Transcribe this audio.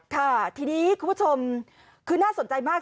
ค่ะทีนี้คุณผู้ชมคือน่าสนใจมาก